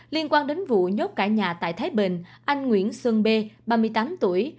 liên quan đến vụ nhốt cả nhà tại thái bình anh nguyễn sơn bê ba mươi tám tuổi